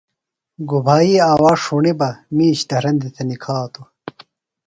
گُبھائی آواز ݜُݨی بہ مِیش دھرندیۡ تھےۡ نِکھاتوۡ۔